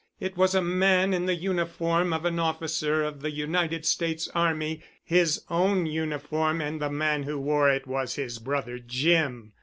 It was a man in the uniform of an officer of the United States Army—his own uniform and the man who wore it was his brother Jim!